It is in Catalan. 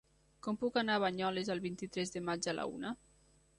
Com puc anar a Banyoles el vint-i-tres de maig a la una?